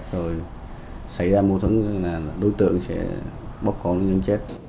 rồi xảy ra mâu thứng là đối tượng sẽ bốc cổ nhân chết